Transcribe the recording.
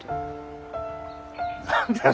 何だよ？